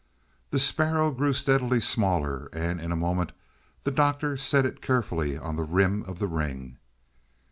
The sparrow grew steadily smaller, and in a moment the Doctor set it carefully on the rim of the ring.